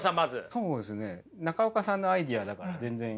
そうですね中岡さんのアイデアだから全然いいと思います。